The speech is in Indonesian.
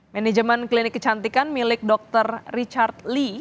manajemen klinik kecantikan milik dr richard lee